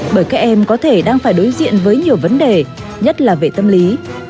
bởi các em có thể đang phải đối diện với nhiều vấn đề nhất là về tâm lý